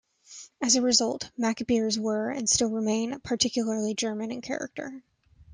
As a result, Mack beers were, and still remain, particularly German in character.